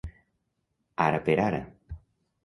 Ara per ara.